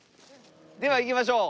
では行きましょう。